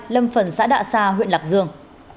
lâm phần xã đạ sa huyện lạc dương